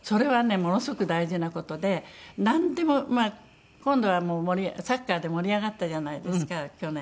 ものすごく大事な事でなんでもまあ今度はサッカーで盛り上がったじゃないですか去年。